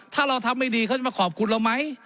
ถ้าเราทำไม่ดีเขาจะมาขอบคุณเราไหม